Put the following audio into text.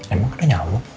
emang ada nyamuk